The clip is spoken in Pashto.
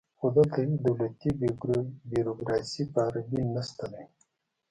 خو دلته هیڅ دولتي بیروکراسي په عربي نشته دی